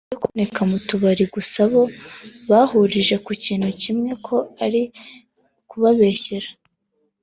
Ibyo kuboneka mu tubari gusa bose bahurije ku kintu kimwe ko ari ukubabeshyera